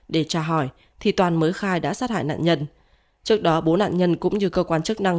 để trả hỏi thì toàn mới khai đã sát hại nạn nhân trước đó bố nạn nhân cũng như cơ quan chức năng